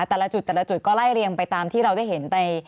แต่ละจุดก็ไล่เรียงไปตามที่เราได้เห็นไป